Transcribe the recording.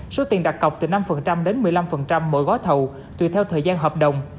số tiền đặt cọc từ năm đến một mươi năm mỗi gói thầu tùy theo thời gian hợp đồng